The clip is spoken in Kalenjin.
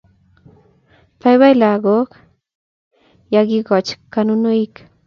Baibai lagok ya kikochi konunoik